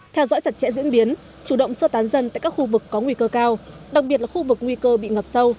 theo dõi chặt chẽ diễn biến chủ động sơ tán dân tại các khu vực có nguy cơ cao đặc biệt là khu vực nguy cơ bị ngập sâu